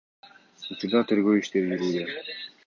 Учурда тергөө иштери жүрүүдө.